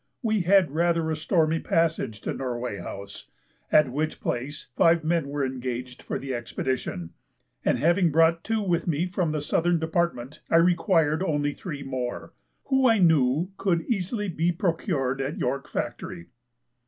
We had rather a stormy passage to Norway House, at which place five men were engaged for the expedition; and having brought two with me from the southern department, I required only three more, who I knew could easily be procured at York Factory.